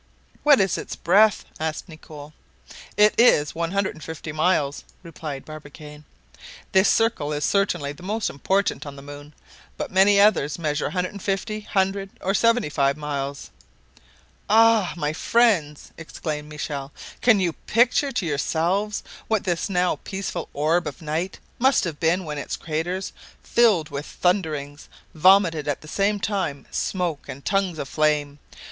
"What is its breadth?" asked Nicholl. "It is 150 miles," replied Barbicane. "This circle is certainly the most important on the moon, but many others measure 150, 100, or 75 miles." "Ah! my friends," exclaimed Michel, "can you picture to yourselves what this now peaceful orb of night must have been when its craters, filled with thunderings, vomited at the same time smoke and tongues of flame.